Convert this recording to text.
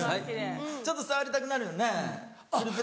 ちょっと触りたくなるよねつるつるで。